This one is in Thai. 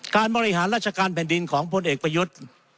การบริหารราชการแผ่นดินของพลเอกประยุทธ์